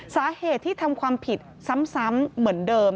สาเหตุที่ทำความผิดซ้ำเหมือนเดิม